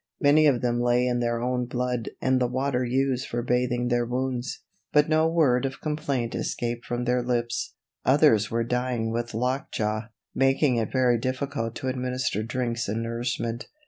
Many of them lay in their own blood and the water used for bathing their wounds, but no word of complaint escaped from their lips. Others were dying with lockjaw, making it very difficult to administer drinks and nourishment.